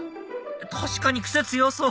確かに癖強そう！